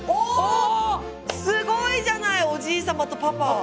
すごいじゃないおじい様とパパ！